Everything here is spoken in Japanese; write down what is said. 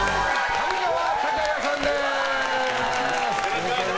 上川隆也さんです！